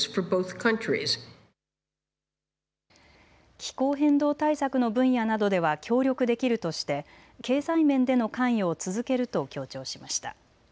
気候変動対策の分野などでは協力できるとして経済面での関与を続けると強調しました。